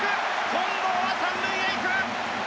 近藤は３塁へ行く。